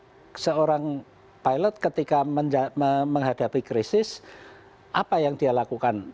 kalau seorang pilot ketika menghadapi krisis apa yang dia lakukan